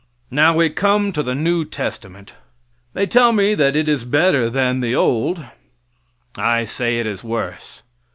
Now we come to the new testament. They tell me that is better than the old, I say it is worse.